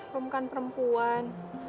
rom kan perempuan